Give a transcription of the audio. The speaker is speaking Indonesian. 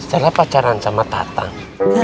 setelah pacaran sama tatang